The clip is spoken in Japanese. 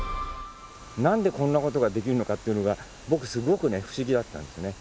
何でこんなことができるのかっていうのが僕すごくね不思議だったんですね。